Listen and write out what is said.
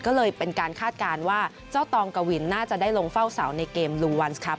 ก็เลยเป็นการคาดการณ์ว่าเจ้าตองกวินน่าจะได้ลงเฝ้าเสาในเกมลุงวันสครับ